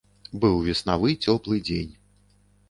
Быў веснавы цёплы дзень.